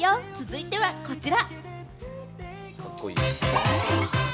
続いては、こちら。